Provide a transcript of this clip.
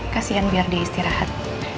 kasian biar dia istirahat